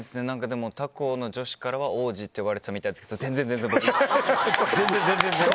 でも、他校の女子からは王子って呼ばれてたみたいですけど全然、全然。